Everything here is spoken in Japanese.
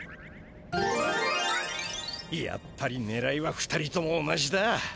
やっぱりねらいは２人とも同じだ。